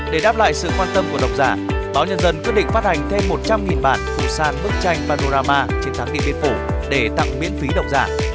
để đáp lại sự quan tâm của đồng giả báo nhân dân quyết định phát hành thêm một trăm linh bản phụ sàn bức tranh panorama trên tháng điện biên phủ để tặng miễn phí đồng giả